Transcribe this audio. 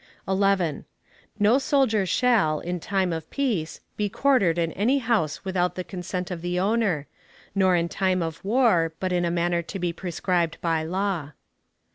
11. No soldier shall, in time of peace, be quartered in any house without the consent of the owner; nor in time of war, but in a manner to be prescribed by law.